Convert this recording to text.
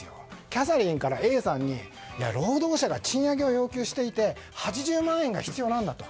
キャサリンからＡさんに労働者が賃上げを要求していて８０万円が必要なんだと。